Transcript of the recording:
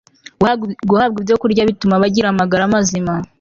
guhabwa ibyokurya bituma bagira amagara mazima